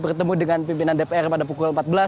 bertemu dengan pimpinan dpr pada pukul empat belas